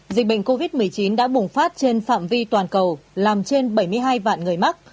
dịch bệnh covid một mươi chín đã bùng phát trên phạm vi toàn cầu làm trên bảy mươi hai vạn người mắc